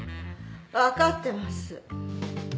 分かってます。